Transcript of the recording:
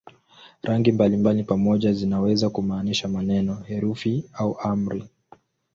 Rangi mbalimbali pamoja zinaweza kumaanisha maneno, herufi au amri.